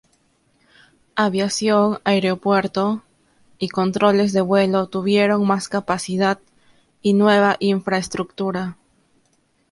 Aviación, aeropuerto y controles de vuelo tuvieron más capacidad y nueva infraestructura.